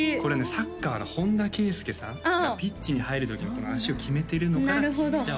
サッカーの本田圭佑さんがピッチに入る時にこの足を決めてるのからじゃあ